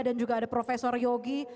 dan juga ada profesor yogi